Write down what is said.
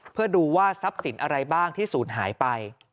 เพื่อดูว่าทรัพย์สินอะไรบ้างที่ศูนย์หายไป